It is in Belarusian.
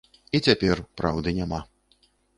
І цяпер праўды няма.